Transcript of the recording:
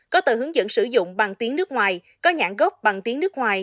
có tờ hướng dẫn sử dụng bằng tiếng nước ngoài có nhãn gốc bằng tiếng nước ngoài